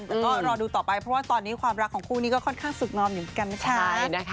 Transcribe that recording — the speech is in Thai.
แต่ก็รอดูต่อไปเพราะว่าตอนนี้ความรักของคู่นี้ก็ค่อนข้างสุดงอมอยู่เหมือนกันนะคะ